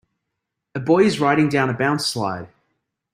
A boy is riding down a bounce slide.